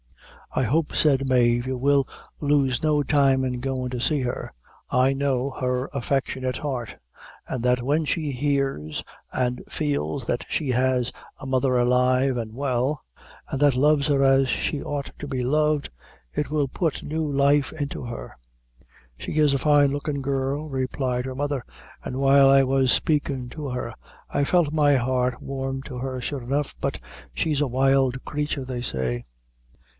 "I hope," said Mave, "you will lose no time in goin' to see her. I know her affectionate heart; an' that when she hears an' feels that she has a mother alive an' well, an' that loves her as she ought to be loved, it will put new life into her." "She is a fine lookin' girl," replied her mother, "an' while I was spakin' to her, I felt my heart warm to her sure enough; but she's a wild crature, they say."